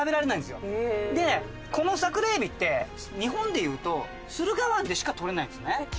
でこの桜えびって日本でいうと駿河湾でしかとれないんですね。